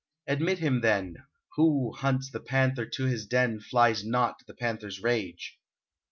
. Admit him then : Who hunts the panther to his den Flies not the panther's rage.